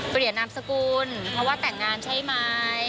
เปรียรนามสกุลเขาว่าแต่งงานใช่ไหม